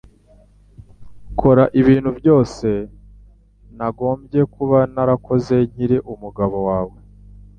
Kora ibintu byose nagombye kuba narakoze Nkiri umugabo wawe